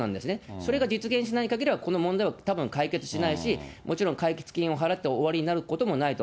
それが実現しないかぎりは、この問題はたぶん、解決しないし、もちろん解決金を払って終わりになることもないと。